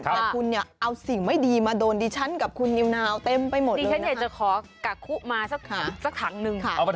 แต่คุณเนี่ยเอาสิ่งไม่ดีมาโดนดิฉันกับคุณนิวนาวเต็มไปหมดเลยนะครับ